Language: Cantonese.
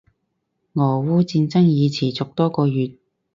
俄烏戰爭已持續多個月